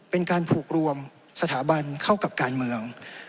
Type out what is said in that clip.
เป็นการผูกรวมสถาบันเข้ากับการเมือง